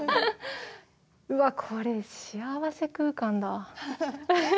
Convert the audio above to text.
うわっこれ幸せ空間だ。